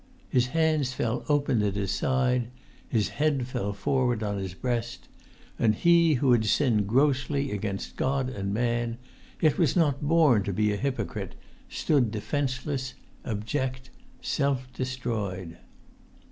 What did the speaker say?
His hands fell open at his side; his head fell forward on his breast; and he who had sinned grossly against God and man, yet was not born to be a hypocrite, stood defenceless, abject, self destroyed.